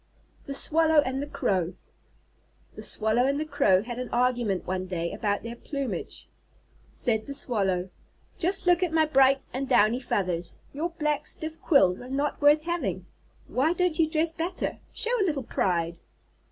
_ THE SWALLOW AND THE CROW The Swallow and the Crow had an argument one day about their plumage. Said the Swallow: "Just look at my bright and downy feathers. Your black stiff quills are not worth having. Why don't you dress better? Show a little pride!"